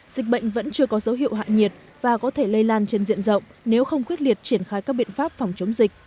dịch bệnh vẫn chưa có dấu hiệu hạ nhiệt và có thể lây lan trên diện rộng nếu không quyết liệt triển khai các biện pháp phòng chống dịch